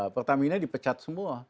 pertamina dipecat semua